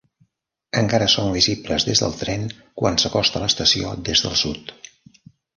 Encara són visibles des del tren quan s'acosta a l'estació des del sud.